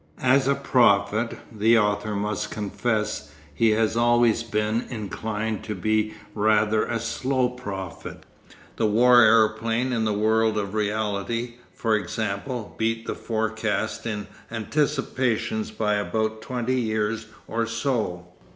As a prophet, the author must confess he has always been inclined to be rather a slow prophet. The war aeroplane in the world of reality, for example, beat the forecast in Anticipations by about twenty years or so.